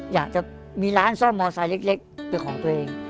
อยากจะมีร้านซ่อมมอไซค์เล็กเป็นของตัวเอง